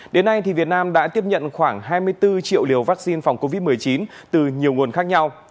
đến nay việt nam đã tiếp nhận khoảng hai mươi bốn triệu liều vaccine phòng covid một mươi chín từ nhiều nguồn khác nhau